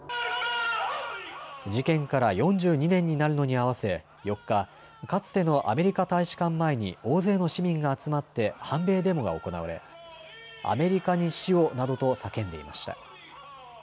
事件から４２年になるのに合わせ４日、かつてのアメリカ大使館前に大勢の市民が集まって反米デモが行われ、アメリカに死をなどと叫んでいました。